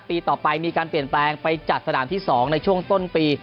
ปีต่อไปมีการเปลี่ยนแปลงไปจัดสนามที่๒ในช่วงต้นปี